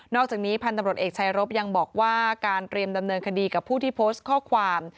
อกจากนี้พันธุ์ตำรวจเอกชายรบยังบอกว่าการเตรียมดำเนินคดีกับผู้ที่โพสต์ข้อความ